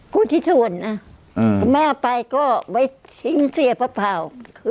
ผู้ทิศวรน่ะคือแม่ไปก็ไว้ทิ้งเสียพะพาว